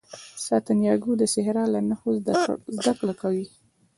سانتیاګو د صحرا له نښو زده کړه کوي.